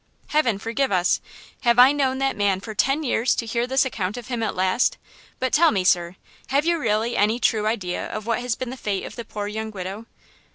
"Heaven forgive us! Have I known that man for ten years to hear this account of him at last? But tell me, sir, have you really any true idea of what has been the fate of the poor young widow?"